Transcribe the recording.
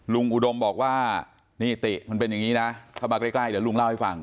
อุดมบอกว่านี่ติมันเป็นอย่างนี้นะถ้ามาใกล้เดี๋ยวลุงเล่าให้ฟัง